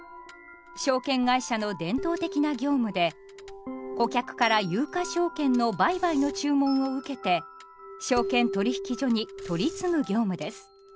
証券会社の伝統的な業務で顧客から有価証券の売買の注文を受けて証券取引所に取り次ぐ業務です。